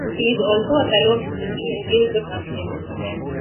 He is also a Fellow of the City and Guilds of London Institute.